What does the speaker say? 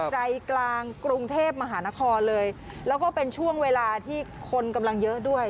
ใจกลางกรุงเทพมหานครเลยแล้วก็เป็นช่วงเวลาที่คนกำลังเยอะด้วย